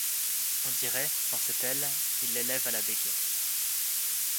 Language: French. On dirait, pensait-elle, qu’il l’élève à la becquée...